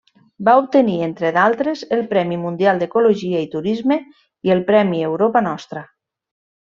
Va obtenir, entre d'altres, el Premi Mundial d'Ecologia i Turisme i el Premi Europa Nostra.